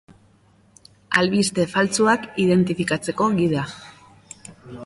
Albiste faltsuak identifikatzeko gida.